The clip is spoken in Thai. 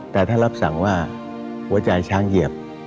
แต่ท่านรับสั่งว่าหัวใจช้างเหยียบ